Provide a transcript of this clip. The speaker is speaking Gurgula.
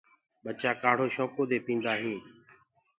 ٻچآ ڪآڙهو شوڪو دي پيندآ هينٚ۔